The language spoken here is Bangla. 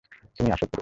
তুমিই আসল পুরুষ।